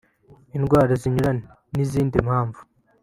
indwara zinyuranye n’izindi mpamvu